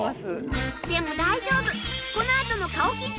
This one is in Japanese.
でも大丈夫。